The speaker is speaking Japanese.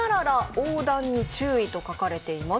横断に注意と書かれています。